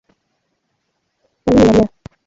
kwanini unalia?